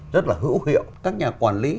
rất là hữu hiệu các nhà quản lý